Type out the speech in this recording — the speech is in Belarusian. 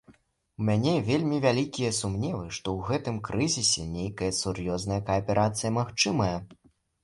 У мяне вельмі вялікія сумневы, што ў гэтым крызісе нейкая сур'ёзная кааперацыя магчымая.